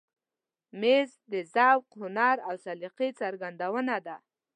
مېز د ذوق، هنر او سلیقې څرګندونه ده.